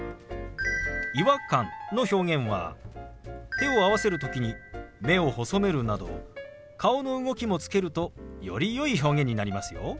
「違和感」の表現は手を合わせる時に目を細めるなど顔の動きもつけるとよりよい表現になりますよ。